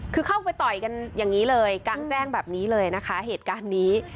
คือเข้าไปต่อยกันอย่างนี้เลยกลางแจ้งแบบนี้เลยนะคะเหตุการณ์นี้